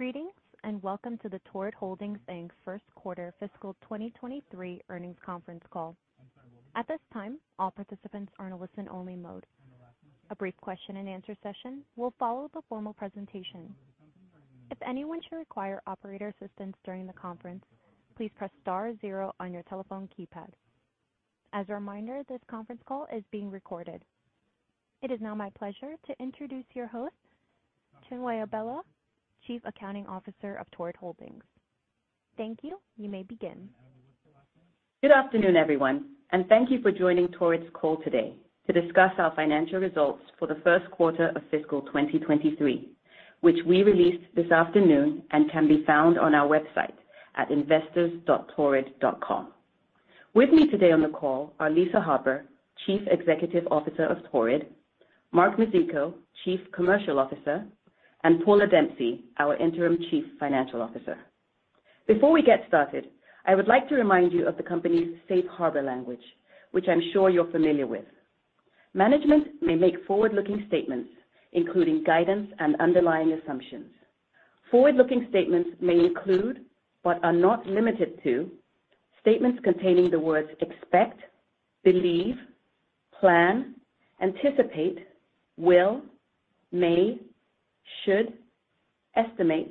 Greetings, Welcome to the Torrid Holdings, Inc. First Quarter Fiscal 2023 Earnings Conference Call. At this time, all participants are in a listen-only mode. A brief question-and-answer session will follow the formal presentation. If anyone should require operator assistance during the conference, please press star zero on your telephone keypad. As a reminder, this conference call is being recorded. It is now my pleasure to introduce your host, Chinwe Abaelu, Chief Accounting Officer of Torrid Holdings. Thank you. You may begin. Good afternoon, everyone, and thank you for joining Torrid's call today to discuss our financial results for the first quarter of fiscal 2023, which we released this afternoon and can be found on our website at investors.torrid.com. With me today on the call are Lisa Harper, Chief Executive Officer of Torrid, Mark Mizicko, Chief Commercial Officer, and Paula Dempsey, our Interim Chief Financial Officer. Before we get started, I would like to remind you of the company's Safe Harbor language, which I'm sure you're familiar with. Management may make forward-looking statements, including guidance and underlying assumptions. Forward-looking statements may include, but are not limited to, statements containing the words expect, believe, plan, anticipate, will, may, should, estimate,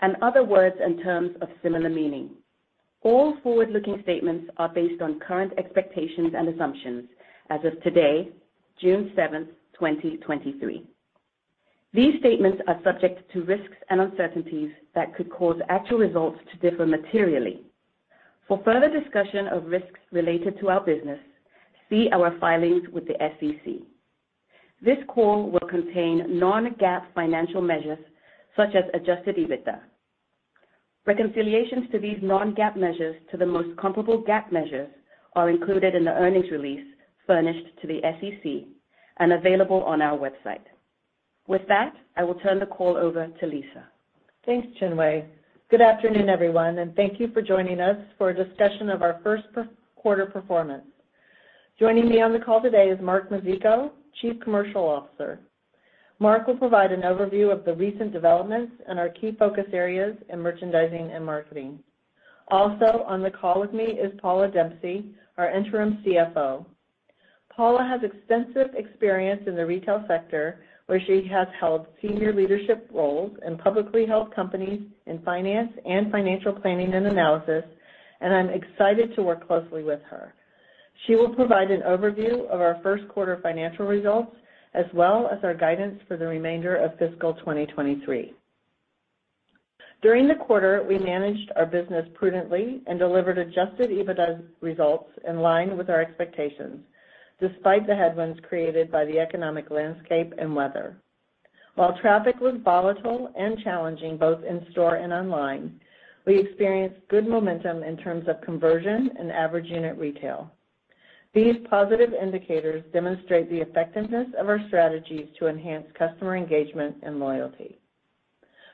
and other words and terms of similar meaning. All forward-looking statements are based on current expectations and assumptions as of today, June 7, 2023. These statements are subject to risks and uncertainties that could cause actual results to differ materially. For further discussion of risks related to our business, see our filings with the SEC. This call will contain non-GAAP financial measures such as adjusted EBITDA. Reconciliations to these non-GAAP measures to the most comparable GAAP measures are included in the earnings release furnished to the SEC and available on our website. With that, I will turn the call over to Lisa. Thanks, Chinwe. Good afternoon, everyone, thank you for joining us for a discussion of our first quarter performance. Joining me on the call today is Mark Mizicko, Chief Commercial Officer. Mark will provide an overview of the recent developments and our key focus areas in merchandising and marketing. Also on the call with me is Paula Dempsey, our Interim CFO. Paula has extensive experience in the retail sector, where she has held senior leadership roles in publicly held companies in finance and financial planning and analysis. I'm excited to work closely with her. She will provide an overview of our first quarter financial results, as well as our guidance for the remainder of fiscal 2023. During the quarter, we managed our business prudently and delivered adjusted EBITDA results in line with our expectations, despite the headwinds created by the economic landscape and weather. While traffic was volatile and challenging, both in store and online, we experienced good momentum in terms of conversion and average unit retail. These positive indicators demonstrate the effectiveness of our strategies to enhance customer engagement and loyalty.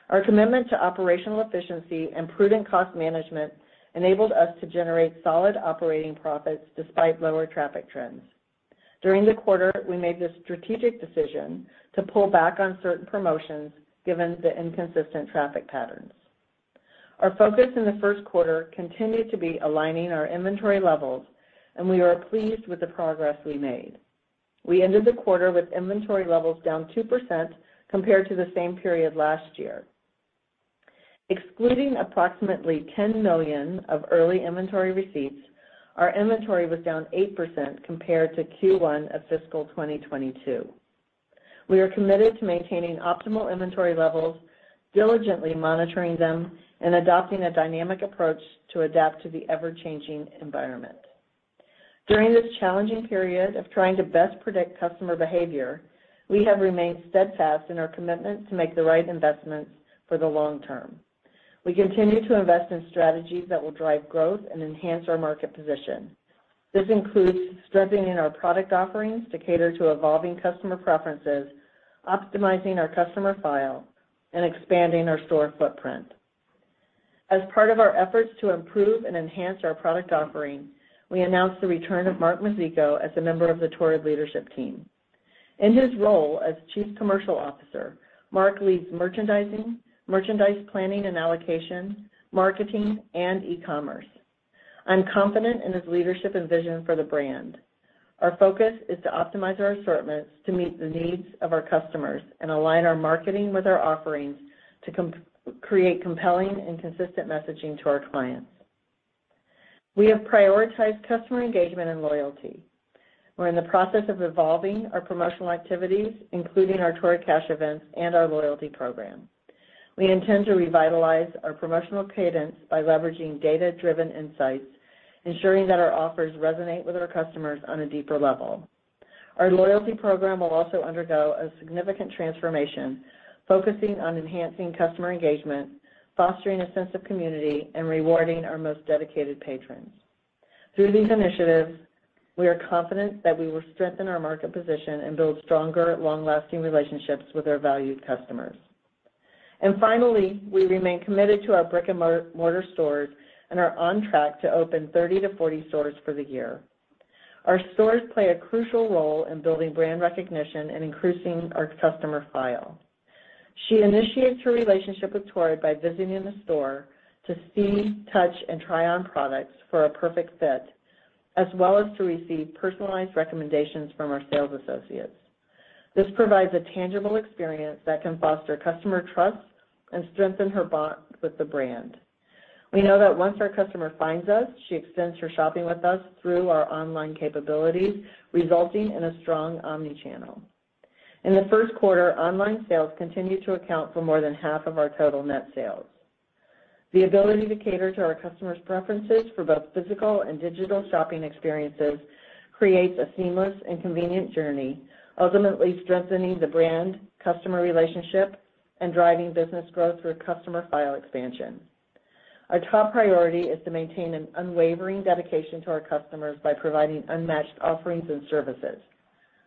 Our commitment to operational efficiency and prudent cost management enabled us to generate solid operating profits despite lower traffic trends. During the quarter, we made the strategic decision to pull back on certain promotions, given the inconsistent traffic patterns. Our focus in the first quarter continued to be aligning our inventory levels, and we are pleased with the progress we made. We ended the quarter with inventory levels down 2% compared to the same period last year. Excluding approximately $10 million of early inventory receipts, our inventory was down 8% compared to Q1 of fiscal 2022. We are committed to maintaining optimal inventory levels, diligently monitoring them, and adopting a dynamic approach to adapt to the ever-changing environment. During this challenging period of trying to best predict customer behavior, we have remained steadfast in our commitment to make the right investments for the long term. We continue to invest in strategies that will drive growth and enhance our market position. This includes strengthening our product offerings to cater to evolving customer preferences, optimizing our customer file, and expanding our store footprint. As part of our efforts to improve and enhance our product offering, we announced the return of Mark Mizicko as a member of the Torrid leadership team. In his role as Chief Commercial Officer, Mark leads merchandising, merchandise planning and allocation, marketing, and e-commerce. I'm confident in his leadership and vision for the brand. Our focus is to optimize our assortments to meet the needs of our customers and align our marketing with our offerings to create compelling and consistent messaging to our clients. We have prioritized customer engagement and loyalty. We're in the process of evolving our promotional activities, including our Torrid Cash events and our loyalty program. We intend to revitalize our promotional cadence by leveraging data-driven insights, ensuring that our offers resonate with our customers on a deeper level. Our loyalty program will also undergo a significant transformation, focusing on enhancing customer engagement, fostering a sense of community, and rewarding our most dedicated patrons. Through these initiatives, we are confident that we will strengthen our market position and build stronger, long-lasting relationships with our valued customers. Finally, we remain committed to our brick and mortar stores and are on track to open 30-40 stores for the year. Our stores play a crucial role in building brand recognition and increasing our customer file. She initiates her relationship with Torrid by visiting in the store to see, touch, and try on products for a perfect fit, as well as to receive personalized recommendations from our sales associates. This provides a tangible experience that can foster customer trust and strengthen her bond with the brand. We know that once our customer finds us, she extends her shopping with us through our online capabilities, resulting in a strong omni-channel. In the first quarter, online sales continued to account for more than half of our total net sales. The ability to cater to our customers' preferences for both physical and digital shopping experiences creates a seamless and convenient journey, ultimately strengthening the brand, customer relationship, and driving business growth through customer file expansion. Our top priority is to maintain an unwavering dedication to our customers by providing unmatched offerings and services.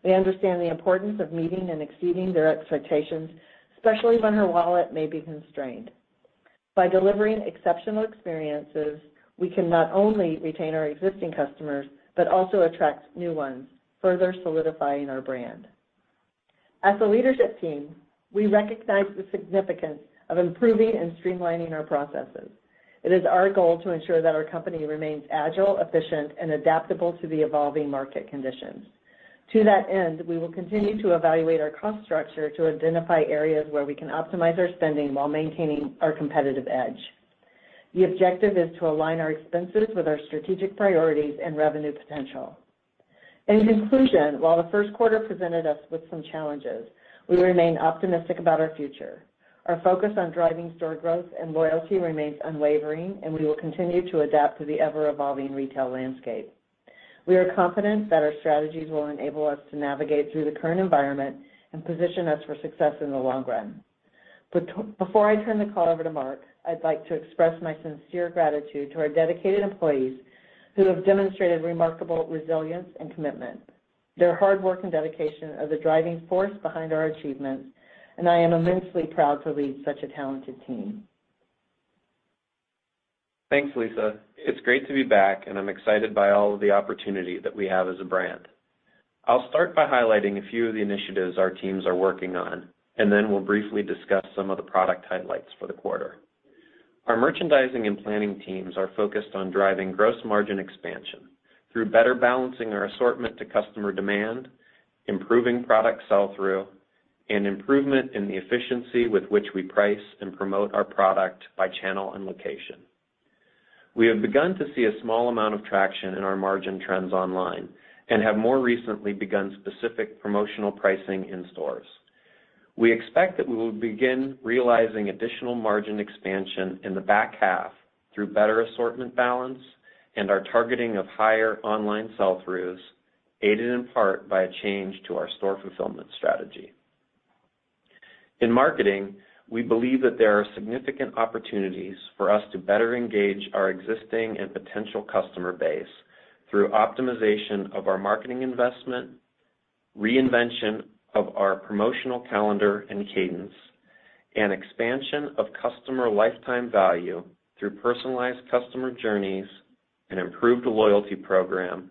We understand the importance of meeting and exceeding their expectations, especially when her wallet may be constrained. By delivering exceptional experiences, we can not only retain our existing customers, but also attract new ones, further solidifying our brand. As a leadership team, we recognize the significance of improving and streamlining our processes. It is our goal to ensure that our company remains agile, efficient, and adaptable to the evolving market conditions. To that end, we will continue to evaluate our cost structure to identify areas where we can optimize our spending while maintaining our competitive edge. The objective is to align our expenses with our strategic priorities and revenue potential. In conclusion, while the first quarter presented us with some challenges, we remain optimistic about our future. Our focus on driving store growth and loyalty remains unwavering, and we will continue to adapt to the ever-evolving retail landscape. We are confident that our strategies will enable us to navigate through the current environment and position us for success in the long run. Before I turn the call over to Mark, I'd like to express my sincere gratitude to our dedicated employees, who have demonstrated remarkable resilience and commitment. Their hard work and dedication are the driving force behind our achievements, and I am immensely proud to lead such a talented team. Thanks, Lisa. It's great to be back, and I'm excited by all of the opportunity that we have as a brand. I'll start by highlighting a few of the initiatives our teams are working on, and then we'll briefly discuss some of the product highlights for the quarter. Our merchandising and planning teams are focused on driving gross margin expansion through better balancing our assortment to customer demand, improving product sell-through, and improvement in the efficiency with which we price and promote our product by channel and location. We have begun to see a small amount of traction in our margin trends online and have more recently begun specific promotional pricing in stores. We expect that we will begin realizing additional margin expansion in the back half through better assortment balance and our targeting of higher online sell-throughs, aided in part by a change to our store fulfillment strategy. In marketing, we believe that there are significant opportunities for us to better engage our existing and potential customer base through optimization of our marketing investment, reinvention of our promotional calendar and cadence, and expansion of customer lifetime value through personalized customer journeys and improved loyalty program,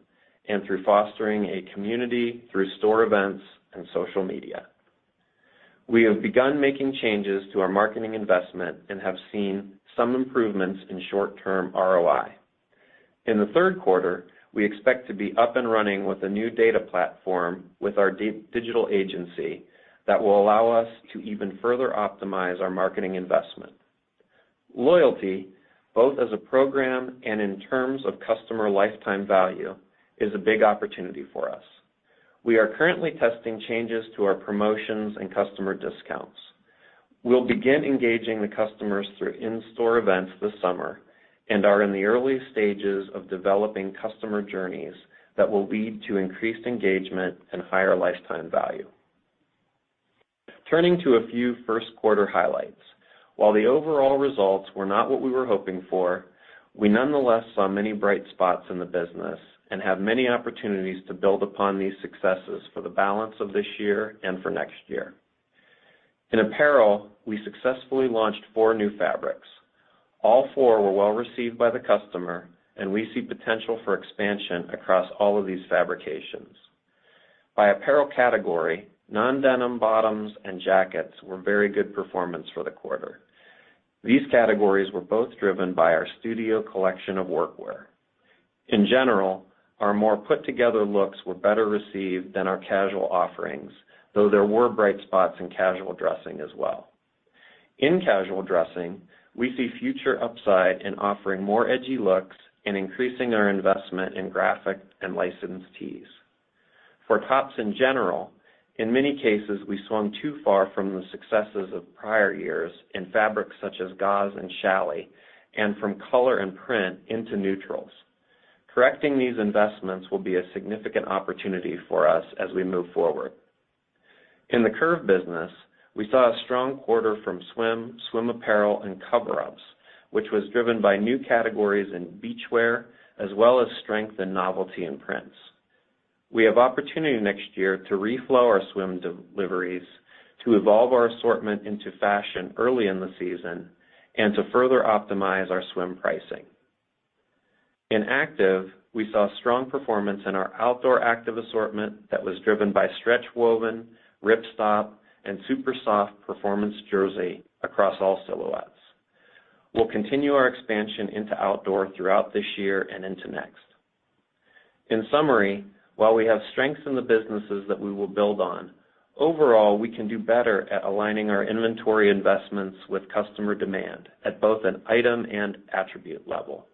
and through fostering a community through store events and social media. We have begun making changes to our marketing investment and have seen some improvements in short-term ROI. In the third quarter, we expect to be up and running with a new data platform with our digital agency that will allow us to even further optimize our marketing investment. Loyalty, both as a program and in terms of customer lifetime value, is a big opportunity for us. We are currently testing changes to our promotions and customer discounts. We'll begin engaging the customers through in-store events this summer and are in the early stages of developing customer journeys that will lead to increased engagement and higher lifetime value. Turning to a few first quarter highlights. While the overall results were not what we were hoping for, we nonetheless saw many bright spots in the business and have many opportunities to build upon these successes for the balance of this year and for next year. In apparel, we successfully launched four new fabrics. All four were well received by the customer, and we see potential for expansion across all of these fabrications. By apparel category, non-denim bottoms and jackets were very good performance for the quarter. These categories were both driven by our Studio Collection of workwear. In general, our more put-together looks were better received than our casual offerings, though there were bright spots in casual dressing as well. In casual dressing, we see future upside in offering more edgy looks and increasing our investment in graphic and licensed tees. For tops in general, in many cases, we swung too far from the successes of prior years in fabrics such as gauze and challis, and from color and print into neutrals. Correcting these investments will be a significant opportunity for us as we move forward. In the curve business, we saw a strong quarter from swim apparel, and cover-ups, which was driven by new categories in beachwear, as well as strength and novelty in prints. We have opportunity next year to reflow our swim deliveries, to evolve our assortment into fashion early in the season and to further optimize our swim pricing. In active, we saw strong performance in our outdoor active assortment that was driven by stretch woven, ripstop, and super soft performance jersey across all silhouettes. We'll continue our expansion into outdoor throughout this year and into next. In summary, while we have strengths in the businesses that we will build on, overall, we can do better at aligning our inventory investments with customer demand at both an item and attribute level.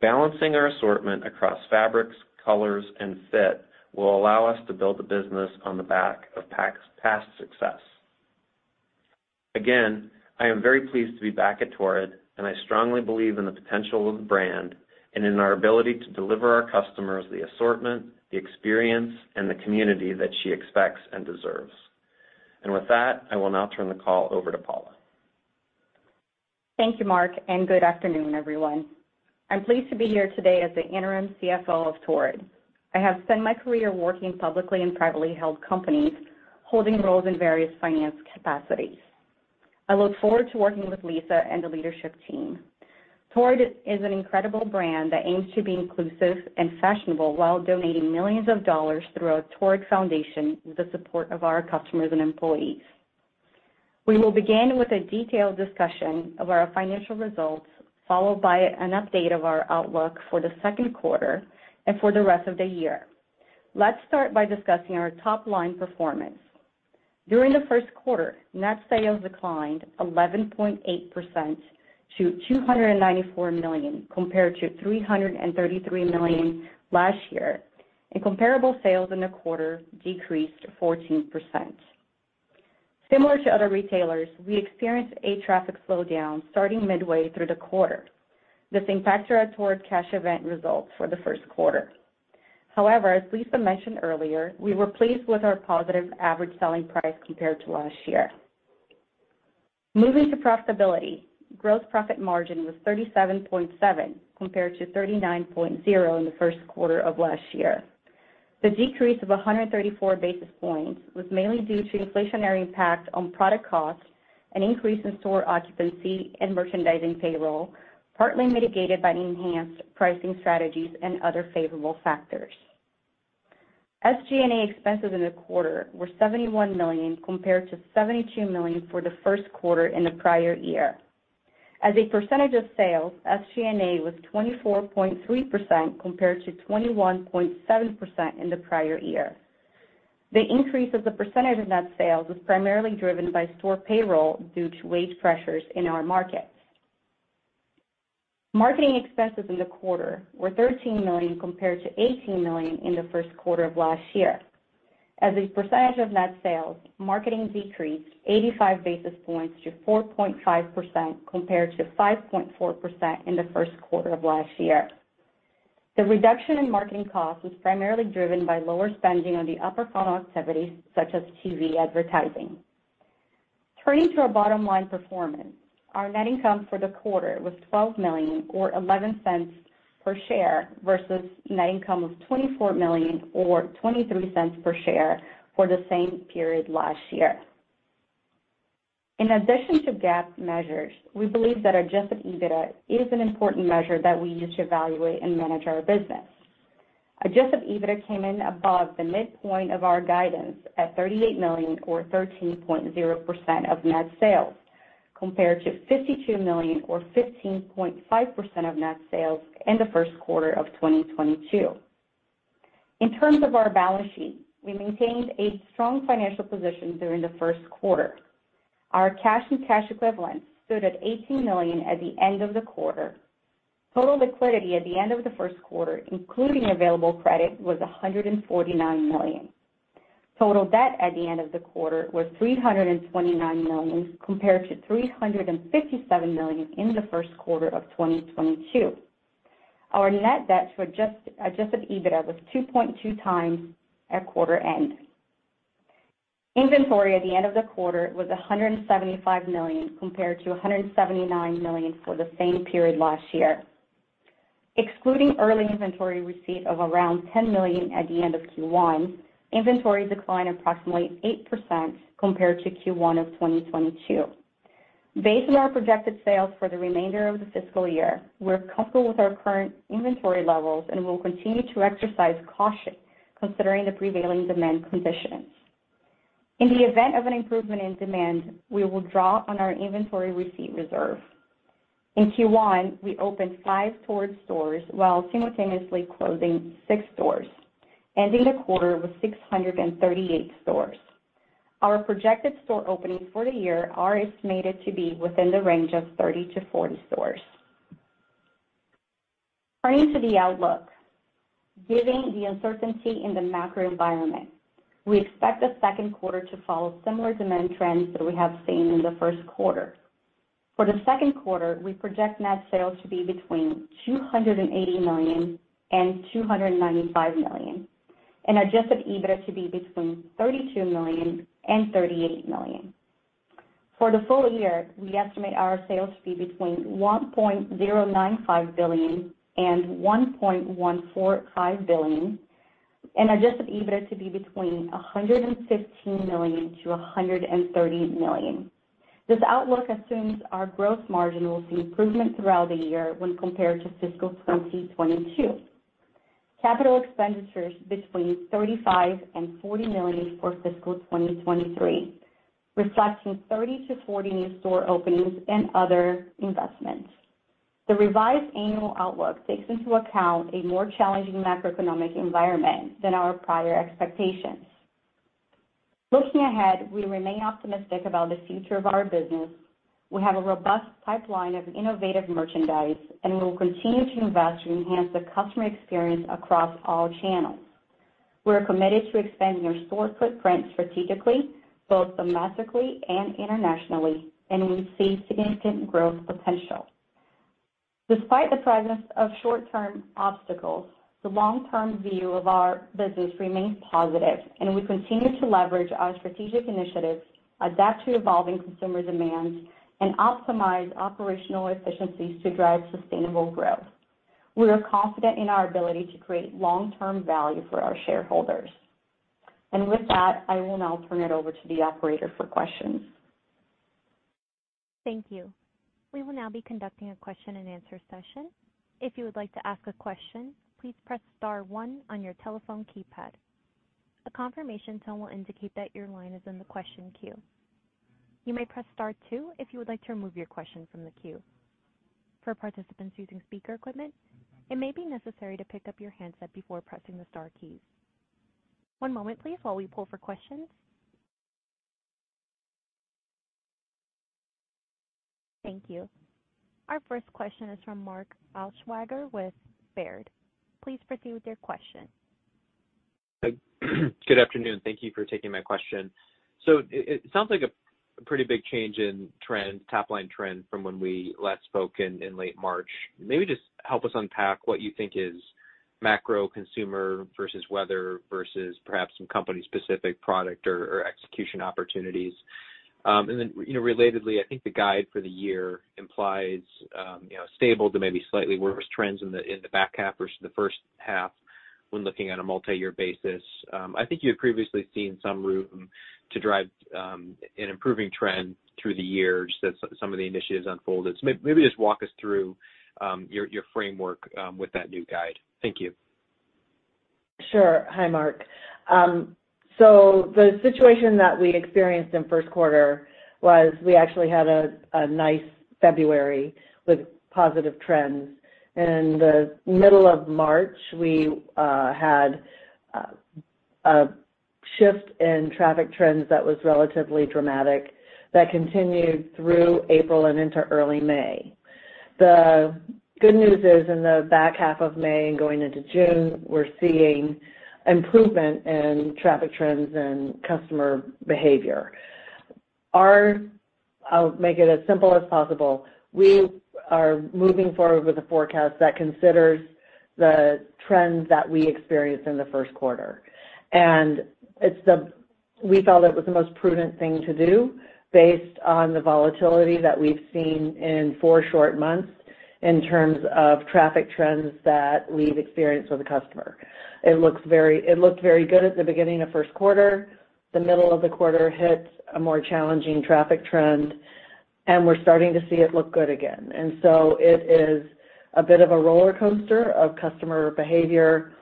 Balancing our assortment across fabrics, colors, and fit will allow us to build the business on the back of past success. Again, I am very pleased to be back at Torrid. I strongly believe in the potential of the brand and in our ability to deliver our customers the assortment, the experience, and the community that she expects and deserves. With that, I will now turn the call over to Paula. Thank you, Mark. Good afternoon, everyone. I'm pleased to be here today as the interim CFO of Torrid. I have spent my career working in publicly and privately held companies, holding roles in various finance capacities. I look forward to working with Lisa and the leadership team. Torrid is an incredible brand that aims to be inclusive and fashionable while donating millions of dollars through our Torrid Foundation with the support of our customers and employees. We will begin with a detailed discussion of our financial results, followed by an update of our outlook for the second quarter and for the rest of the year. Let's start by discussing our top-line performance. During the first quarter, net sales declined 11.8% to $294 million, compared to $333 million last year, and comparable sales in the quarter decreased 14%. Similar to other retailers, we experienced a traffic slowdown starting midway through the quarter. This impacted our Torrid Cash event results for the first quarter. As Lisa mentioned earlier, we were pleased with our positive average selling price compared to last year. Moving to profitability. Gross profit margin was 37.7%, compared to 39.0% in the first quarter of last year. The decrease of 134 basis points was mainly due to inflationary impact on product costs, an increase in store occupancy and merchandising payroll, partly mitigated by enhanced pricing strategies and other favorable factors. SG&A expenses in the quarter were $71 million, compared to $72 million for the first quarter in the prior year. As a percentage of sales, SG&A was 24.3%, compared to 21.7% in the prior year. The increase of the percentage of net sales was primarily driven by store payroll due to wage pressures in our markets. Marketing expenses in the quarter were $13 million, compared to $18 million in the first quarter of last year. As a percentage of net sales, marketing decreased 85 basis points to 4.5%, compared to 5.4% in the first quarter of last year. The reduction in marketing costs was primarily driven by lower spending on the upper funnel activities, such as TV advertising. Turning to our bottom line performance. Our net income for the quarter was $12 million, or $0.11 per share, versus net income of $24 million or $0.23 per share for the same period last year. In addition to GAAP measures, we believe that adjusted EBITDA is an important measure that we use to evaluate and manage our business. Adjusted EBITDA came in above the midpoint of our guidance at $38 million or 13.0% of net sales, compared to $52 million or 15.5% of net sales in the first quarter of 2022. In terms of our balance sheet, we maintained a strong financial position during the first quarter. Our cash and cash equivalents stood at $18 million at the end of the quarter. Total liquidity at the end of the first quarter, including available credit, was $149 million. Total debt at the end of the quarter was $329 million, compared to $357 million in the first quarter of 2022. Our net debt to adjusted EBITDA was 2.2 times at quarter end. Inventory at the end of the quarter was $175 million, compared to $179 million for the same period last year. Excluding early inventory receipt of around $10 million at the end of Q1, inventory declined approximately 8% compared to Q1 of 2022. Based on our projected sales for the remainder of the fiscal year, we're comfortable with our current inventory levels and will continue to exercise caution considering the prevailing demand conditions. In the event of an improvement in demand, we will draw on our inventory receipt reserve. In Q1, we opened 5 Torrid stores while simultaneously closing 6 stores, ending the quarter with 638 stores. Our projected store openings for the year are estimated to be within the range of 30-40 stores. Turning to the outlook. Given the uncertainty in the macro environment, we expect the second quarter to follow similar demand trends that we have seen in the first quarter. For the second quarter, we project net sales to be between $280 million and $295 million, and adjusted EBITDA to be between $32 million and $38 million. For the full year, we estimate our sales to be between $1.095 billion and $1.145 billion, and adjusted EBITDA to be between $115 million-$130 million. This outlook assumes our growth margin will see improvement throughout the year when compared to fiscal 2022. Capital expenditures between $35 million and $40 million for fiscal 2023, reflecting 30-40 new store openings and other investments. The revised annual outlook takes into account a more challenging macroeconomic environment than our prior expectations. Looking ahead, we remain optimistic about the future of our business. We have a robust pipeline of innovative merchandise, and we will continue to invest to enhance the customer experience across all channels. We are committed to expanding our store footprint strategically, both domestically and internationally, and we see significant growth potential. Despite the presence of short-term obstacles, the long-term view of our business remains positive, and we continue to leverage our strategic initiatives, adapt to evolving consumer demands, and optimize operational efficiencies to drive sustainable growth. We are confident in our ability to create long-term value for our shareholders. With that, I will now turn it over to the operator for questions. Thank you. We will now be conducting a question-and-answer session. If you would like to ask a question, please press star one on your telephone keypad. A confirmation tone will indicate that your line is in the question queue. You may press Star two if you would like to remove your question from the queue. For participants using speaker equipment, it may be necessary to pick up your handset before pressing the star keys. One moment, please, while we pull for questions. Thank you. Our first question is from Mark Altschwager with Baird. Please proceed with your question. Good afternoon. Thank you for taking my question. It sounds like a pretty big change in trend, top line trend from when we last spoke in late March. Maybe just help us unpack what you think is macro consumer versus weather versus perhaps some company-specific product or execution opportunities. Then, you know, relatedly, I think the guide for the year implies, you know, stable to maybe slightly worse trends in the back half versus the first half when looking at a multi-year basis. I think you had previously seen some room to drive an improving trend through the years that some of the initiatives unfolded. Maybe just walk us through your framework with that new guide. Thank you. Sure. Hi, Mark Altschwager. The situation that we experienced in first quarter was we actually had a nice February with positive trends. In the middle of March, we had a shift in traffic trends that was relatively dramatic that continued through April and into early May. The good news is, in the back half of May and going into June, we're seeing improvement in traffic trends and customer behavior. I'll make it as simple as possible. We are moving forward with a forecast that considers the trends that we experienced in the first quarter. We felt it was the most prudent thing to do based on the volatility that we've seen in 4 short months in terms of traffic trends that we've experienced with the customer. It looked very good at the beginning of first quarter. The middle of the quarter hit a more challenging traffic trend, and we're starting to see it look good again. It is a bit of a roller coaster of customer behavior.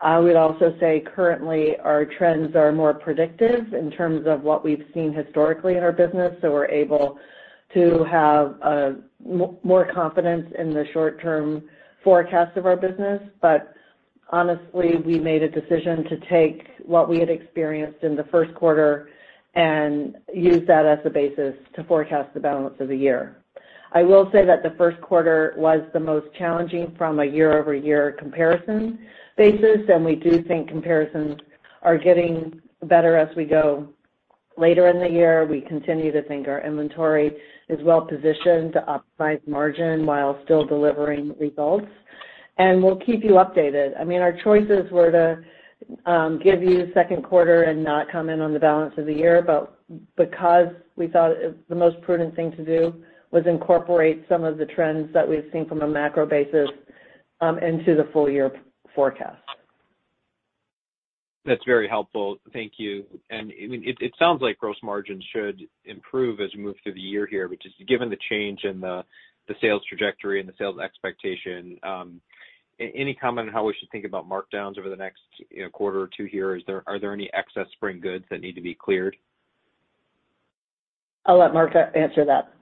I would also say currently, our trends are more predictive in terms of what we've seen historically in our business, so we're able to have more confidence in the short-term forecast of our business. Honestly, we made a decision to take what we had experienced in the first quarter and use that as a basis to forecast the balance of the year. I will say that the first quarter was the most challenging from a year-over-year comparison basis, and we do think comparisons are getting better as we go later in the year. We continue to think our inventory is well positioned to optimize margin while still delivering results, and we'll keep you updated. I mean, our choices were to give you second quarter and not comment on the balance of the year, but because we thought it the most prudent thing to do was incorporate some of the trends that we've seen from a macro basis, into the full year forecast. That's very helpful. Thank you. I mean, it sounds like gross margins should improve as we move through the year here, which is given the change in the sales trajectory and the sales expectation. Any comment on how we should think about markdowns over the next, you know, quarter or 2 here? Are there any excess spring goods that need to be cleared? I'll let Mark answer that.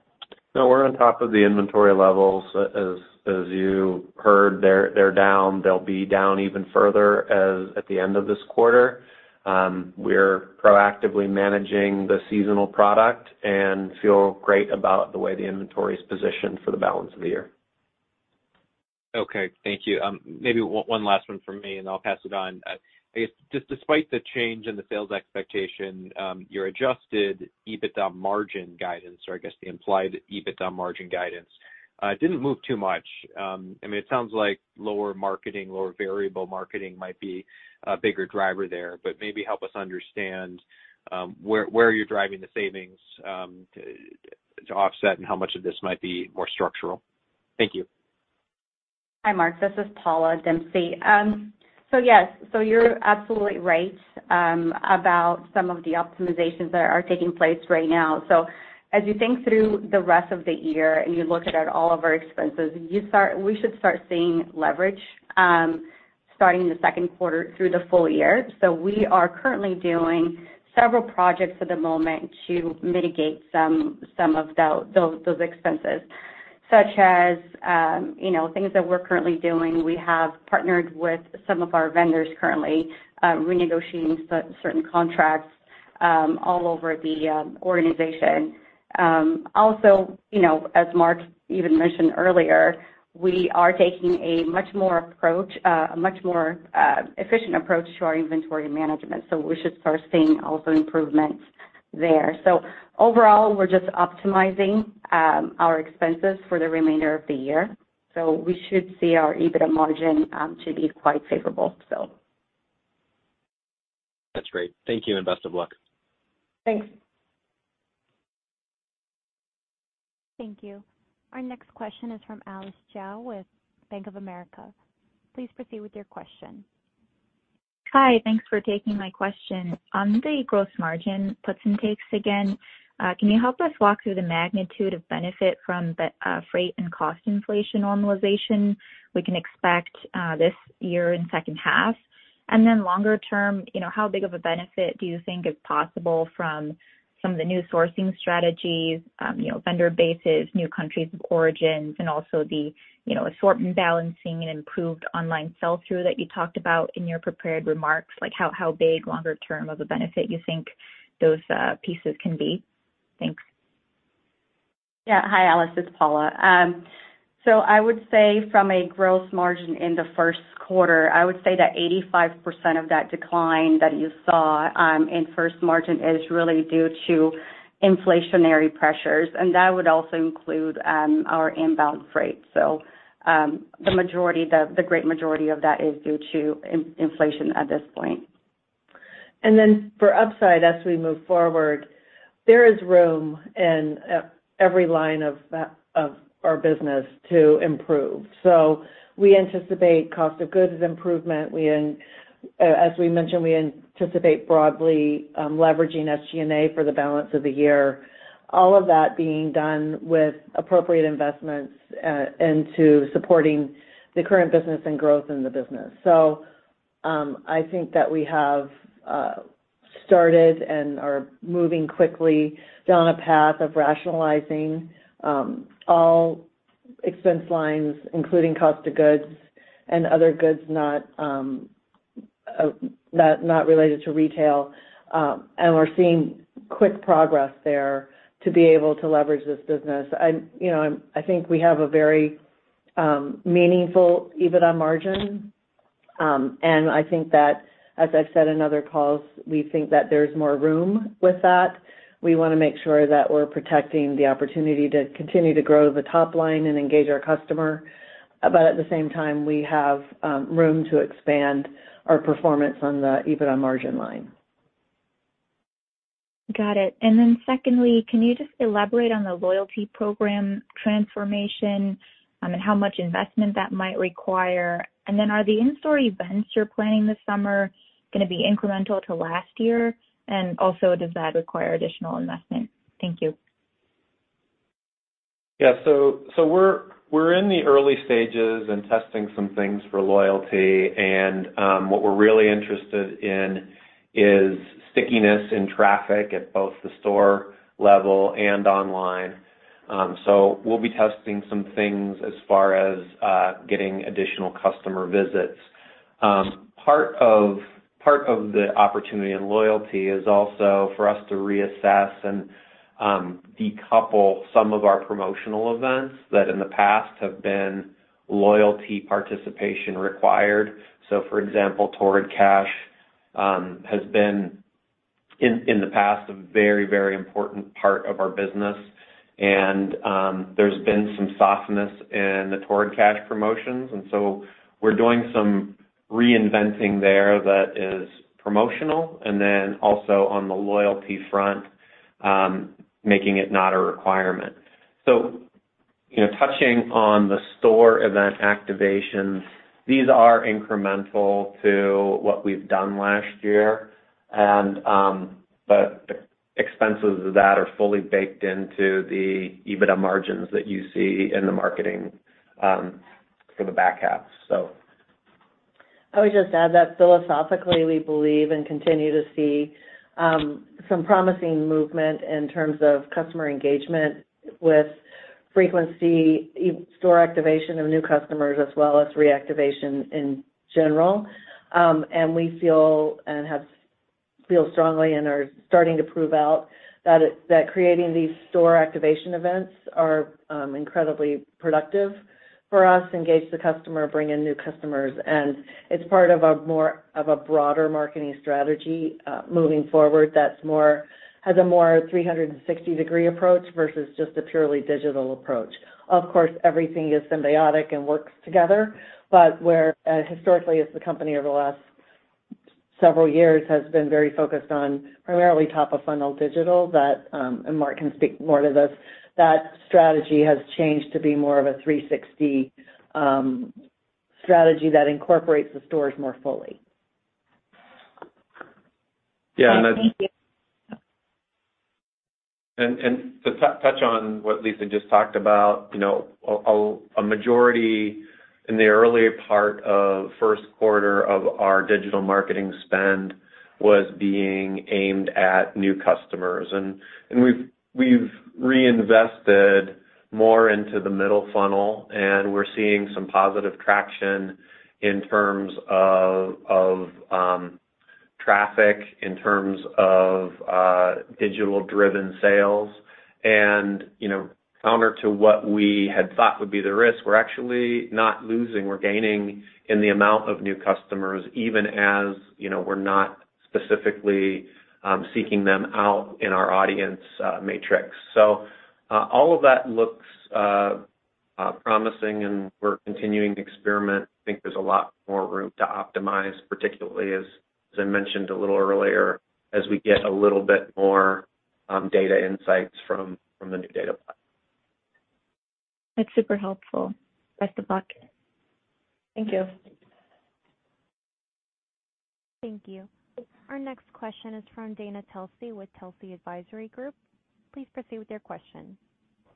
No, we're on top of the inventory levels. As you heard, they're down. They'll be down even further as at the end of this quarter. We're proactively managing the seasonal product and feel great about the way the inventory is positioned for the balance of the year. Okay. Thank you. Maybe one last one from me, and I'll pass it on. I guess just despite the change in the sales expectation, your adjusted EBITDA margin guidance, or I guess the implied EBITDA margin guidance,... it didn't move too much. I mean, it sounds like lower marketing, lower variable marketing might be a bigger driver there, but maybe help us understand, where you're driving the savings, to offset, and how much of this might be more structural? Thank you. Hi, Mark. This is Paula Dempsey. Yes, you're absolutely right about some of the optimizations that are taking place right now. As you think through the rest of the year, and you look at all of our expenses, we should start seeing leverage starting in the second quarter through the full year. We are currently doing several projects at the moment to mitigate some of those expenses, such as, you know, things that we're currently doing. We have partnered with some of our vendors currently, renegotiating certain contracts all over the organization. Also, you know, as Mark even mentioned earlier, we are taking a much more efficient approach to our inventory management, so we should start seeing also improvements there. Overall, we're just optimizing our expenses for the remainder of the year. We should see our EBITDA margin to be quite favorable. That's great. Thank you, and best of luck. Thanks. Thank you. Our next question is from Alice Xiao with Bank of America. Please proceed with your question. Hi, thanks for taking my question. On the gross margin puts and takes again, can you help us walk through the magnitude of benefit from the freight and cost inflation normalization we can expect this year in second half? Longer term, you know, how big of a benefit do you think is possible from some of the new sourcing strategies, you know, vendor bases, new countries of origins, and also the, you know, assortment balancing and improved online sell-through that you talked about in your prepared remarks? Like, how big longer term of a benefit you think those pieces can be? Thanks. Yeah. Hi, Alice, it's Paula. I would say from a gross margin in the first quarter, I would say that 85% of that decline that you saw, in first margin is really due to inflationary pressures, and that would also include our inbound freight. The majority, the great majority of that is due to inflation at this point. For upside, as we move forward, there is room in every line of our business to improve. We anticipate cost of goods improvement. As we mentioned, we anticipate broadly leveraging SG&A for the balance of the year. All of that being done with appropriate investments into supporting the current business and growth in the business. I think that we have started and are moving quickly down a path of rationalizing all expense lines, including cost of goods and other goods, not related to retail, and we're seeing quick progress there to be able to leverage this business. I'm, you know, I think we have a very meaningful EBITDA margin, and I think that, as I've said in other calls, we think that there's more room with that. We wanna make sure that we're protecting the opportunity to continue to grow the top line and engage our customer. At the same time, we have room to expand our performance on the EBITDA margin line. Got it. Secondly, can you just elaborate on the loyalty program transformation, and how much investment that might require? Are the in-store events you're planning this summer gonna be incremental to last year? Also, does that require additional investment? Thank you. Yeah. We're in the early stages in testing some things for loyalty, and what we're really interested in is stickiness in traffic at both the store level and online. We'll be testing some things as far as getting additional customer visits. Part of the opportunity and loyalty is also for us to reassess and decouple some of our promotional events that in the past have been loyalty participation required. For example, Torrid Cash has been, in the past, a very important part of our business. There's been some softness in the Torrid Cash promotions, and so we're doing some reinventing there that is promotional, and then also on the loyalty front, making it not a requirement. You know, touching on the store event activations, these are incremental to what we've done last year. Expenses of that are fully baked into the EBITDA margins that you see in the marketing for the back half, so. I would just add that philosophically, we believe and continue to see, some promising movement in terms of customer engagement with frequency, store activation of new customers, as well as reactivation in general. We feel strongly and are starting to prove out that creating these store activation events are incredibly productive for us, engage the customer, bring in new customers. It's part of a broader marketing strategy moving forward that has a more 360-degree approach versus just a purely digital approach. Of course, everything is symbiotic and works together, but where, historically, as the company over the last several years has been very focused on primarily top of funnel digital, that, and Mark can speak more to this, that strategy has changed to be more of a 360, strategy that incorporates the stores more fully. Yeah, and. Thank you. To touch on what Lisa just talked about, you know, a majority in the early part of first quarter of our digital marketing spend was being aimed at new customers. We've reinvested more into the middle funnel, and we're seeing some positive traction in terms of traffic, in terms of digital-driven sales. You know, counter to what we had thought would be the risk, we're actually not losing, we're gaining in the amount of new customers, even as, you know, we're not specifically seeking them out in our audience matrix. All of that looks promising, and we're continuing to experiment. I think there's a lot more room to optimize, particularly as I mentioned a little earlier, as we get a little bit more data insights from the new data plan. That's super helpful. Best of luck. Thank you. Thank you. Our next question is from Dana Telsey with Telsey Advisory Group. Please proceed with your question.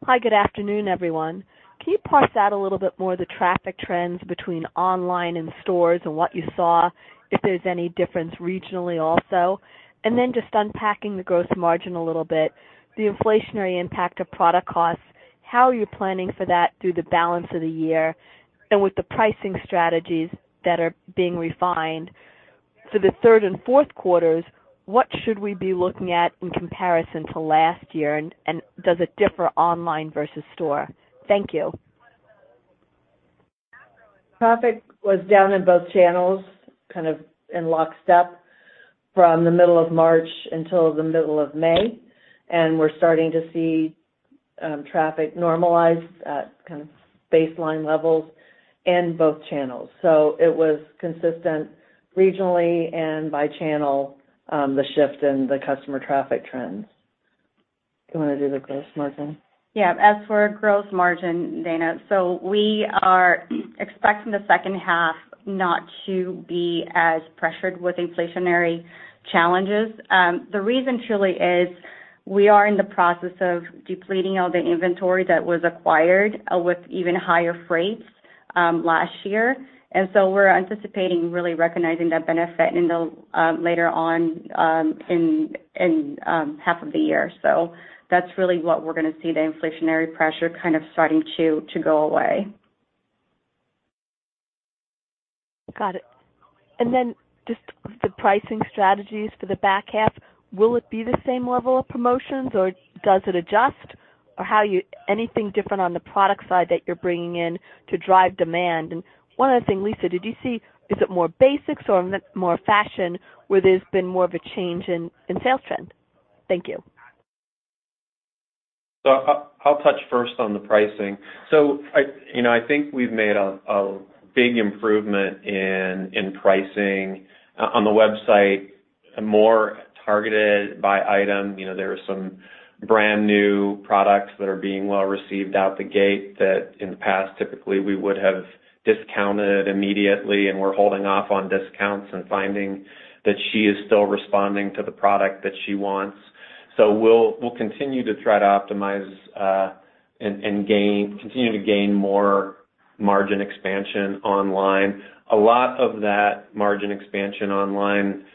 Hi, good afternoon, everyone. Can you parse out a little bit more the traffic trends between online and stores and what you saw, if there's any difference regionally also? Just unpacking the gross margin a little bit, the inflationary impact of product costs, how are you planning for that through the balance of the year? With the pricing strategies that are being refined for the third and fourth quarters, what should we be looking at in comparison to last year, and does it differ online versus store? Thank you. Traffic was down in both channels, kind of in lockstep from the middle of March until the middle of May. We're starting to see, traffic normalize at kind of baseline levels in both channels. It was consistent regionally and by channel, the shift in the customer traffic trends. Do you wanna do the gross margin? Yeah. As for gross margin, Dana Telsey, we are expecting the second half not to be as pressured with inflationary challenges. The reason truly is we are in the process of depleting all the inventory that was acquired with even higher freights last year. We're anticipating really recognizing that benefit in the later on half of the year. That's really what we're gonna see, the inflationary pressure kind of starting to go away. Got it. Just the pricing strategies for the back half, will it be the same level of promotions, or does it adjust? Anything different on the product side that you're bringing in to drive demand? One other thing, Lisa, did you see, is it more basics or more fashion, where there's been more of a change in sales trend? Thank you. I'll touch first on the pricing. I, you know, I think we've made a big improvement in pricing on the website, more targeted by item. You know, there are some brand new products that are being well received out the gate, that in the past, typically, we would have discounted immediately, and we're holding off on discounts and finding that she is still responding to the product that she wants. We'll continue to try to optimize and gain more margin expansion online. A lot of that margin expansion online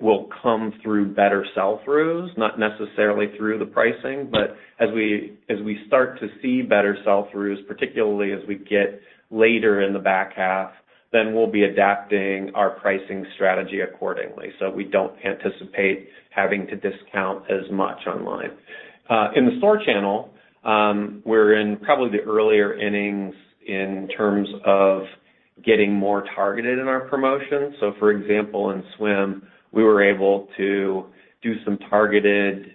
will come through better sell-throughs, not necessarily through the pricing. As we start to see better sell-throughs, particularly as we get later in the back half, then we'll be adapting our pricing strategy accordingly, so we don't anticipate having to discount as much online. In the store channel, we're in probably the earlier innings in terms of getting more targeted in our promotions. For example, in swim, we were able to do some targeted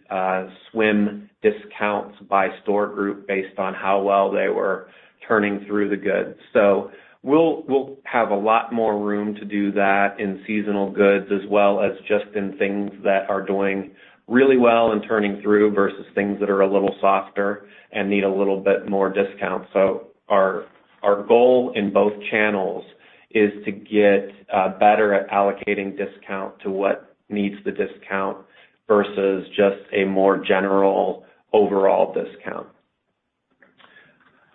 swim discounts by store group based on how well they were turning through the goods. We'll have a lot more room to do that in seasonal goods, as well as just in things that are doing really well and turning through versus things that are a little softer and need a little bit more discount. Our goal in both channels is to get better at allocating discount to what needs the discount versus just a more general overall discount.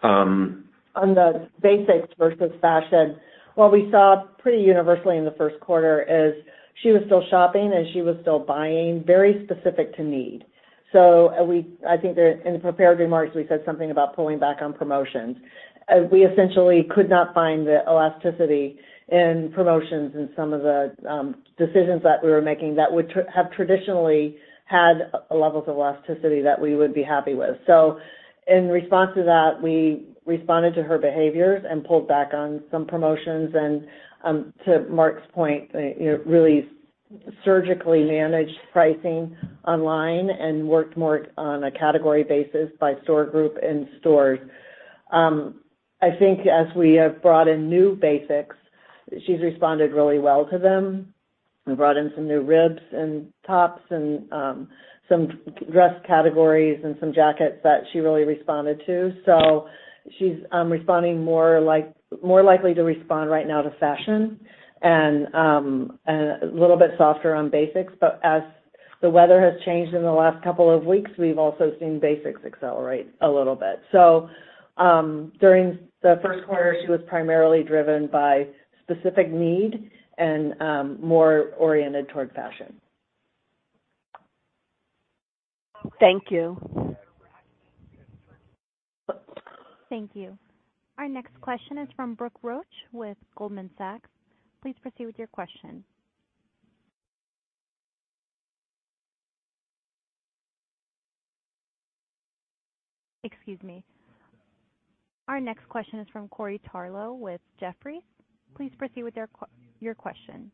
On the basics versus fashion, what we saw pretty universally in the first quarter is she was still shopping, and she was still buying very specific to need. We, I think that in the prepared remarks, we said something about pulling back on promotions. We essentially could not find the elasticity in promotions and some of the decisions that we were making that would have traditionally had levels of elasticity that we would be happy with. In response to that, we responded to her behaviors and pulled back on some promotions. To Mark's point, you know, really surgically managed pricing online and worked more on a category basis by store group and stores. I think as we have brought in new basics, she's responded really well to them. We brought in some new ribs and tops and some dress categories and some jackets that she really responded to. She's responding more likely to respond right now to fashion and a little bit softer on basics. As the weather has changed in the last couple of weeks, we've also seen basics accelerate a little bit. During the first quarter, she was primarily driven by specific need and more oriented toward fashion. Thank you. Thank you. Our next question is from Brooke Roach with Goldman Sachs. Please proceed with your question. Excuse me. Our next question is from Corey Tarlowe with Jefferies. Please proceed with your question.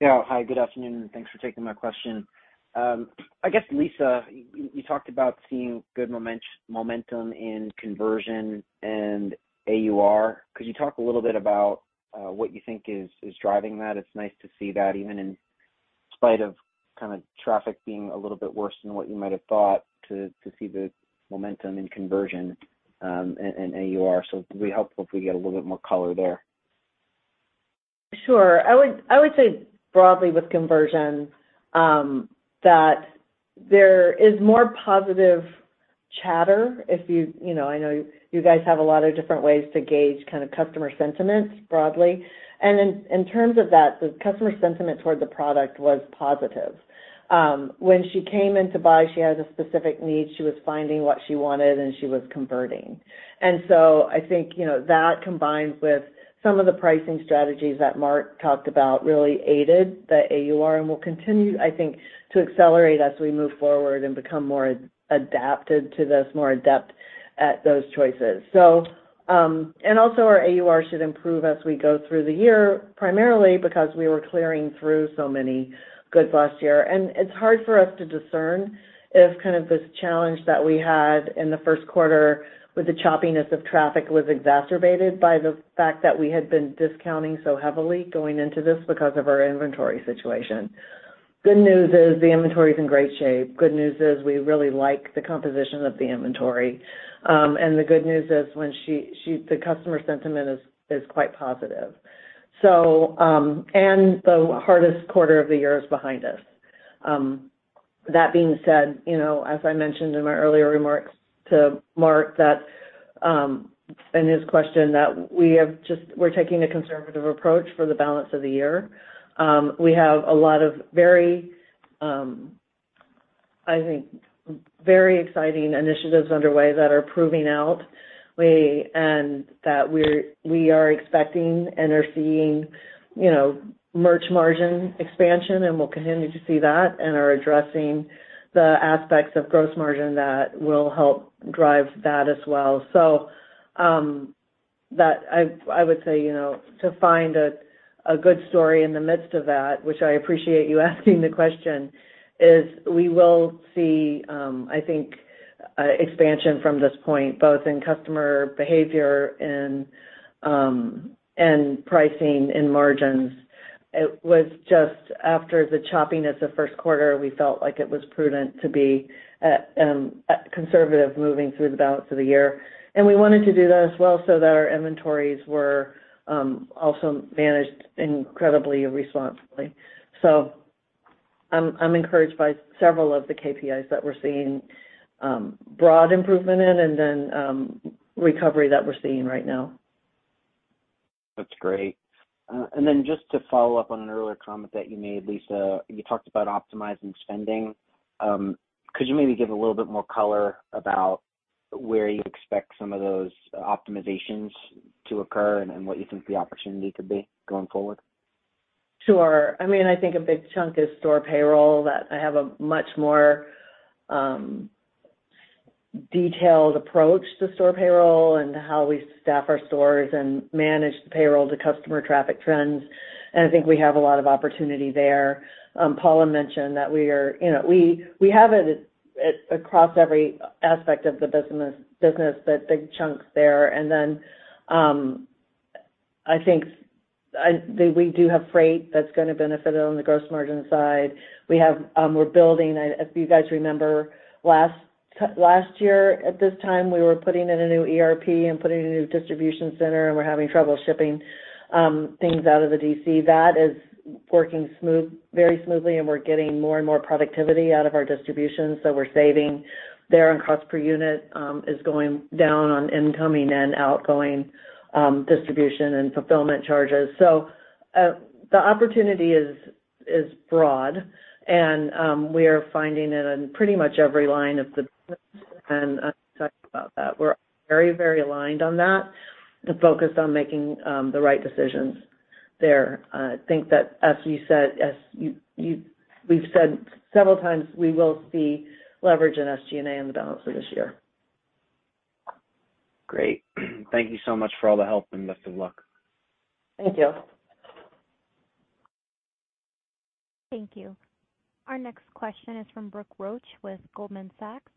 Yeah. Hi, good afternoon, and thanks for taking my question. I guess, Lisa, you talked about seeing good momentum in conversion and AUR. Could you talk a little bit about what you think is driving that? It's nice to see that, even in spite of kind of traffic being a little bit worse than what you might have thought to see the momentum in conversion, and AUR. It'd be helpful if we get a little bit more color there. Sure. I would say broadly with conversion, that there is more positive chatter. If you know, I know you guys have a lot of different ways to gauge kind of customer sentiment broadly. In terms of that, the customer sentiment toward the product was positive. When she came in to buy, she had a specific need, she was finding what she wanted, and she was converting. I think, you know, that combined with some of the pricing strategies that Mark talked about, really aided the AUR and will continue, I think, to accelerate as we move forward and become more adapted to this, more adept at those choices. Also our AUR should improve as we go through the year, primarily because we were clearing through so many goods last year. It's hard for us to discern if kind of this challenge that we had in the first quarter with the choppiness of traffic was exacerbated by the fact that we had been discounting so heavily going into this because of our inventory situation. Good news is the inventory is in great shape. Good news is we really like the composition of the inventory. The good news is, when she the customer sentiment is quite positive. The hardest quarter of the year is behind us. That being said, you know, as I mentioned in my earlier remarks to Mark Altschwager, that, and his question, that we're taking a conservative approach for the balance of the year. We have a lot of very, I think, very exciting initiatives underway that are proving out, and that we're, we are expecting and are seeing, you know, merch margin expansion, and we'll continue to see that and are addressing the aspects of gross margin that will help drive that as well. That I would say, you know, to find a good story in the midst of that, which I appreciate you asking the question, is, we will see, I think, expansion from this point, both in customer behavior and pricing and margins. It was just after the choppiness of first quarter, we felt like it was prudent to be conservative, moving through the balance of the year. We wanted to do that as well, so that our inventories were also managed incredibly and responsibly. I'm encouraged by several of the KPIs that we're seeing, broad improvement in, and then, recovery that we're seeing right now. That's great. Then just to follow up on an earlier comment that you made, Lisa, you talked about optimizing spending. Could you maybe give a little bit more color about where you expect some of those optimizations to occur and what you think the opportunity could be going forward? Sure. I mean, I think a big chunk is store payroll, that I have a much more detailed approach to store payroll and how we staff our stores and manage the payroll to customer traffic trends. I think we have a lot of opportunity there. Paula Dempsey mentioned that we are, you know, we have it across every aspect of the business, that big chunks there. I think we do have freight that's gonna benefit on the gross margin side. We have, we're building. If you guys remember, last year, at this time, we were putting in a new ERP and putting in a new distribution center, we're having trouble shipping things out of the DC. That is working very smoothly, we're getting more and more productivity out of our distribution. We're saving there on cost per unit, is going down on incoming and outgoing, distribution and fulfillment charges. The opportunity is broad, and, we are finding it in pretty much every line of the and talking about that. We're very, very aligned on that, to focus on making, the right decisions there. I think that, as you said, as you, we've said several times, we will see leverage in SG&A in the balance of this year. Great. Thank you so much for all the help, and best of luck. Thank you. Thank you. Our next question is from Brooke Roach with Goldman Sachs.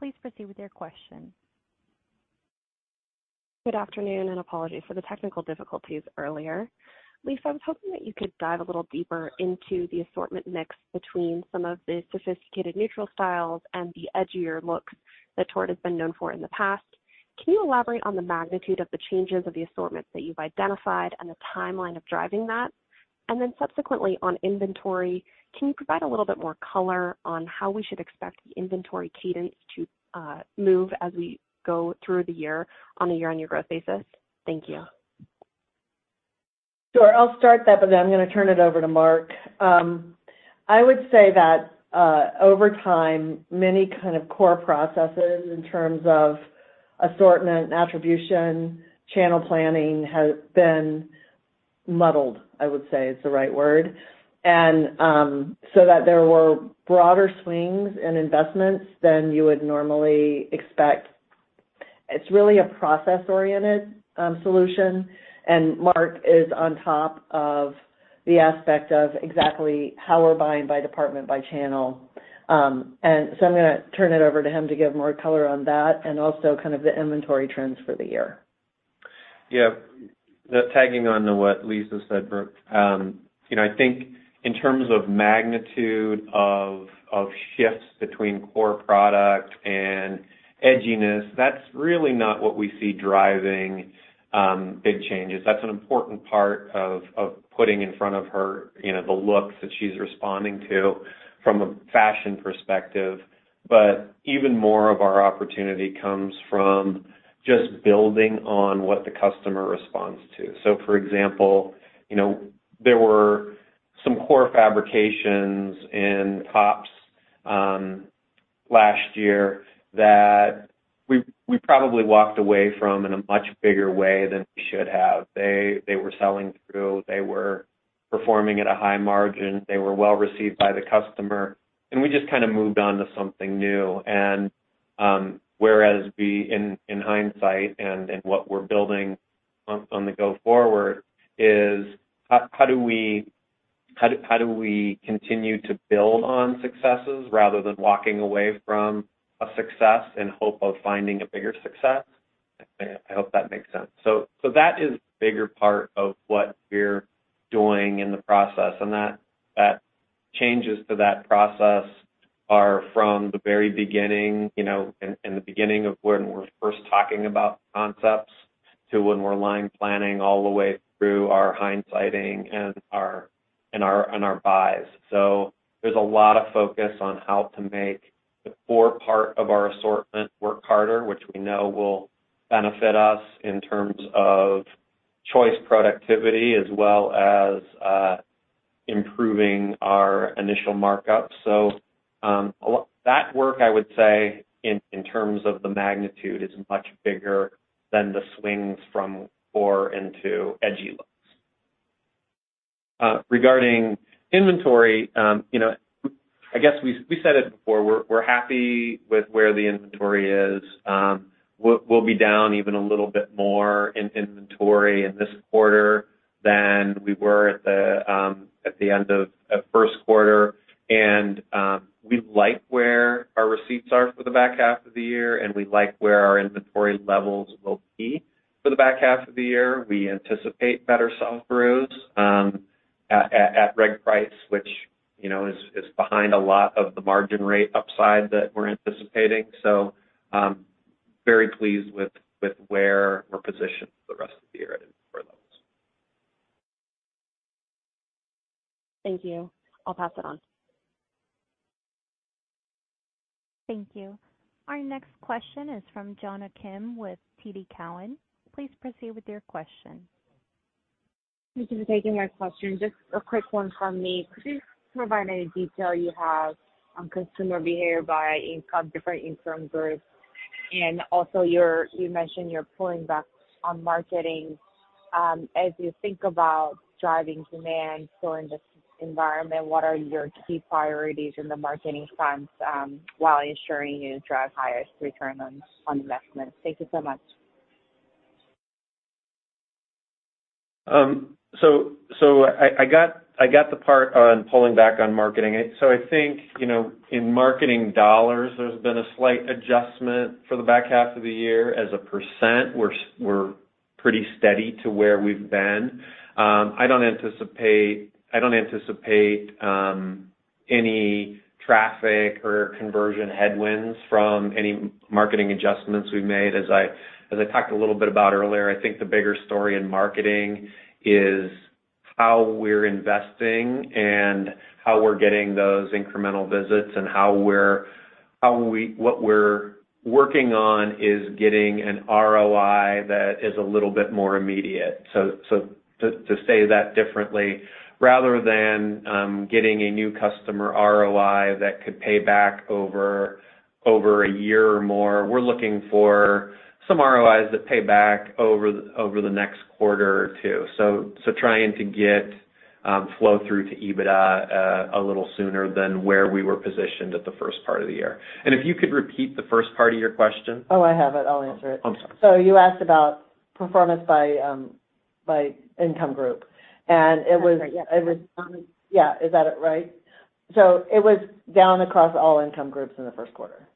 Please proceed with your question. Good afternoon. Apologies for the technical difficulties earlier. Lisa, I was hoping that you could dive a little deeper into the assortment mix between some of the sophisticated neutral styles and the edgier looks that Torrid has been known for in the past. Can you elaborate on the magnitude of the changes of the assortments that you've identified and the timeline of driving that? Then subsequently, on inventory, can you provide a little bit more color on how we should expect the inventory cadence to move as we go through the year on a year-on-year growth basis? Thank you. Sure, I'll start that, I'm going to turn it over to Mark. I would say that over time, many kind of core processes in terms of assortment, attribution, channel planning, has been muddled, I would say, is the right word. There were broader swings in investments than you would normally expect. It's really a process-oriented solution. Mark is on top of the aspect of exactly how we're buying by department, by channel. I'm going to turn it over to him to give more color on that and also kind of the inventory trends for the year. Tagging on to what Lisa Harper said, Brooke Roach, you know, I think in terms of magnitude of shifts between core product and edginess, that's really not what we see driving big changes. That's an important part of putting in front of her, you know, the looks that she's responding to from a fashion perspective. Even more of our opportunity comes from just building on what the customer responds to. For example, you know, there were some core fabrications in tops last year that we probably walked away from in a much bigger way than we should have. They were selling through, they were performing at a high margin, they were well received by the customer, we just kind of moved on to something new. Whereas we, in hindsight and what we're building on the go forward is, how do we continue to build on successes rather than walking away from a success in hope of finding a bigger success? I hope that makes sense. That is a bigger part of what we're doing in the process, and changes to that process are from the very beginning, you know, in the beginning of when we're first talking about concepts to when we're line planning all the way through our hindsighting and our buys. There's a lot of focus on how to make the core part of our assortment work harder, which we know will benefit us in terms of choice productivity as well as improving our initial markup. That work, I would say, in terms of the magnitude, is much bigger than the swings from core into edgy looks. Regarding inventory, you know, I guess we said it before, we're happy with where the inventory is. We'll be down even a little bit more in inventory in this quarter than we were at the end of first quarter. We like where our receipts are for the back half of the year, and we like where our inventory levels will be for the back half of the year. We anticipate better sell-throughs at reg price, which, you know, is behind a lot of the margin rate upside that we're anticipating. Very pleased with where we're positioned for the rest of the year in inventory levels. Thank you. I'll pass it on. Thank you. Our next question is from Jonna Kim with TD Cowen. Please proceed with your question. Thank you for taking my question. Just a quick one from me. Could you provide any detail you have on consumer behavior by income, different income groups? Also, you mentioned you're pulling back on marketing. As you think about driving demand still in this environment, what are your key priorities in the marketing fronts, while ensuring you drive highest ROI? Thank you so much. I got the part on pulling back on marketing. I think, you know, in marketing dollars, there's been a slight adjustment for the back half of the year. As a percent, we're pretty steady to where we've been. I don't anticipate any traffic or conversion headwinds from any marketing adjustments we've made. As I talked a little bit about earlier, I think the bigger story in marketing is how we're investing and how we're getting those incremental visits and how we, what we're working on is getting an ROI that is a little bit more immediate. To say that differently, rather than getting a new customer ROI that could pay back over a year or more, we're looking for some ROIs that pay back over the next quarter or two. Trying to get flow through to EBITDA a little sooner than where we were positioned at the first part of the year. If you could repeat the first part of your question? Oh, I have it. I'll answer it. Okay. I'm sorry. You asked about performance by income group. That's right, yeah. It was. Yeah, is that it, right? It was down across all income groups in the first quarter.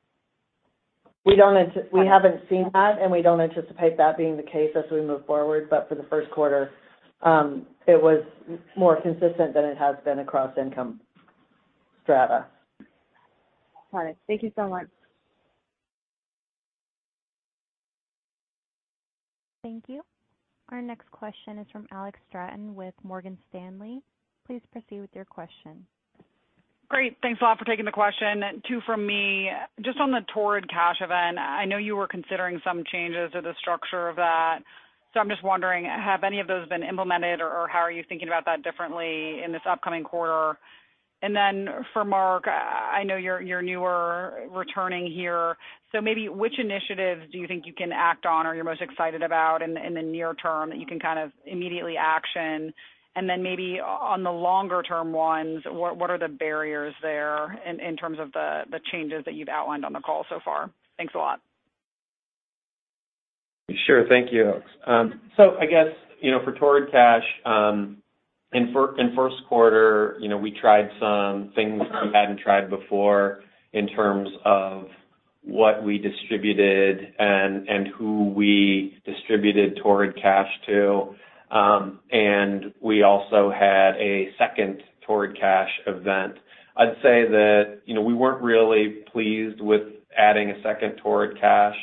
We haven't seen that, and we don't anticipate that being the case as we move forward, but for the first quarter, it was more consistent than it has been across income strata. Got it. Thank you so much. Thank you. Our next question is from Alex Straton with Morgan Stanley. Please proceed with your question. Great. Thanks a lot for taking the question. Two from me. Just on the Torrid Cash event, I know you were considering some changes to the structure of that, so I'm just wondering, have any of those been implemented, or how are you thinking about that differently in this upcoming quarter? Then for Mark Mizicko, I know you're newer, returning here, so maybe which initiatives do you think you can act on or you're most excited about in the near term, that you can kind of immediately action? Then maybe on the longer term ones, what are the barriers there in terms of the changes that you've outlined on the call so far? Thanks a lot. Sure. Thank you. I guess, you know, for Torrid Cash, in first quarter, you know, we tried some things we hadn't tried before in terms of what we distributed and who we distributed Torrid Cash to. And we also had a second Torrid Cash event. I'd say that, you know, we weren't really pleased with adding a second Torrid Cash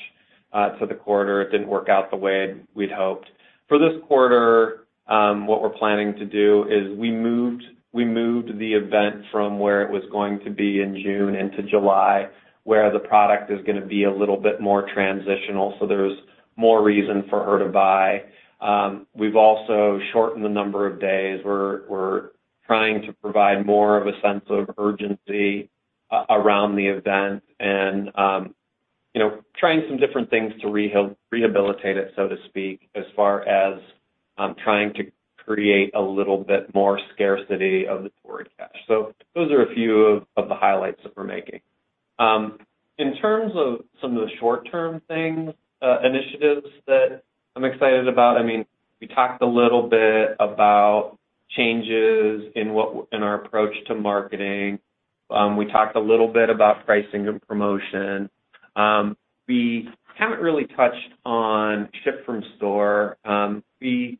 to the quarter. It didn't work out the way we'd hoped. For this quarter, what we're planning to do is we moved the event from where it was going to be in June into July, where the product is gonna be a little bit more transitional, so there's more reason for her to buy. We've also shortened the number of days. We're trying to provide more of a sense of urgency around the event and, you know, trying some different things to rehabilitate it, so to speak, as far as trying to create a little bit more scarcity of the Torrid Cash. Those are a few of the highlights that we're making. In terms of some of the short-term things, initiatives that I'm excited about, I mean, we talked a little bit about changes in our approach to marketing. We talked a little bit about pricing and promotion. We haven't really touched on ship from store. We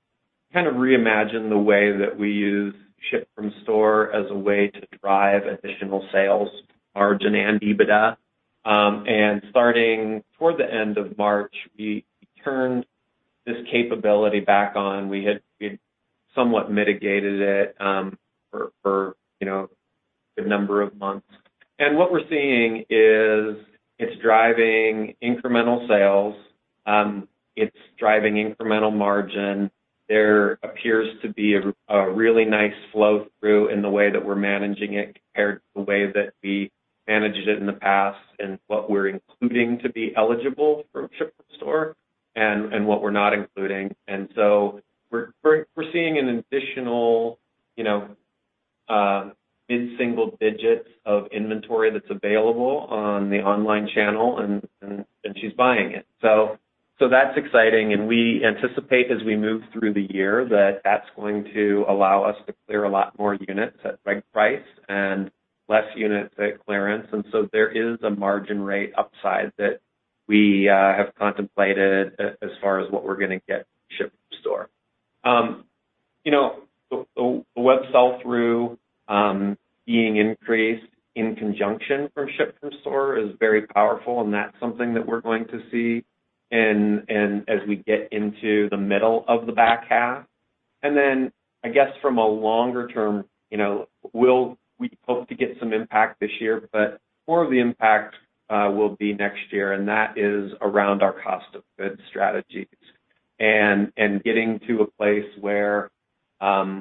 kind of reimagined the way that we use ship from store as a way to drive additional sales, margin, and EBITDA. Starting toward the end of March, we turned this capability back on. We had somewhat mitigated it for, you know, a good number of months. What we're seeing is it's driving incremental sales. It's driving incremental margin. There appears to be a really nice flow through in the way that we're managing it compared to the way that we managed it in the past, and what we're including to be eligible for ship from store and what we're not including. We're seeing an additional, you know, mid-single digits of inventory that's available on the online channel, and she's buying it. That's exciting, and we anticipate, as we move through the year, that that's going to allow us to clear a lot more units at regular price and less units at clearance. There is a margin rate upside that we have contemplated as far as what we're gonna get ship from store. You know, the web sell-through being increased in conjunction from ship from store is very powerful, and that's something that we're going to see and as we get into the middle of the back half. I guess, from a longer term, you know, we hope to get some impact this year, but more of the impact will be next year, and that is around our cost of goods strategies. Getting to a place where by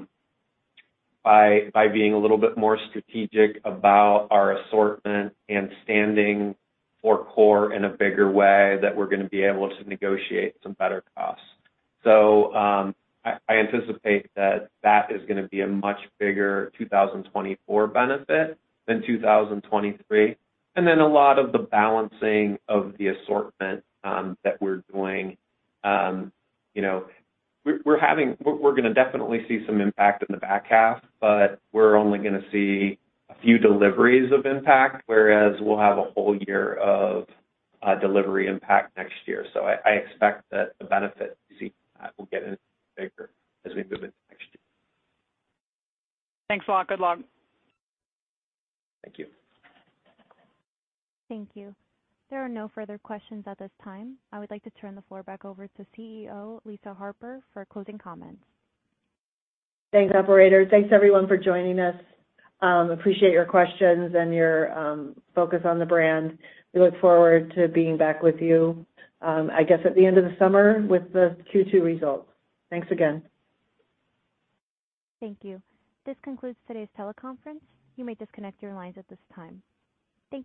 being a little bit more strategic about our assortment and standing for core in a bigger way, that we're gonna be able to negotiate some better costs. I anticipate that that is gonna be a much bigger 2024 benefit than 2023. A lot of the balancing of the assortment that we're doing, you know, we're gonna definitely see some impact in the back half, but we're only gonna see a few deliveries of impact, whereas we'll have a whole year of delivery impact next year. I expect that the benefit we see from that will get bigger as we move into next year. Thanks a lot. Good luck. Thank you. Thank you. There are no further questions at this time. I would like to turn the floor back over to CEO, Lisa Harper, for closing comments. Thanks, operator. Thanks, everyone, for joining us. Appreciate your questions and your focus on the brand. We look forward to being back with you, I guess, at the end of the summer with the Q2 results. Thanks again. Thank you. This concludes today's teleconference. You may disconnect your lines at this time.